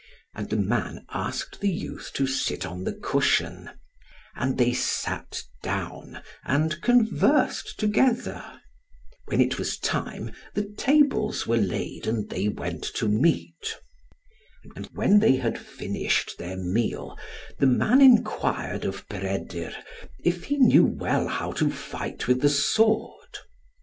And the man asked the youth to sit on the cushion; and they sat down, and conversed together. When it was time, the tables were laid, and they went to meat. And when they had finished their meal, the man enquired of Peredur, if he knew well how to fight with the sword.